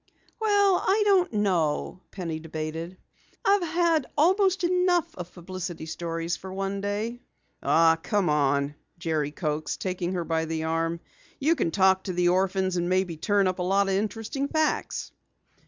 "Well, I don't know?" Penny debated. "I've had almost enough of publicity stories for one day." "Oh, come on," Jerry coaxed, taking her by the arm. "You can talk to the orphans and maybe turn up a lot of interesting facts."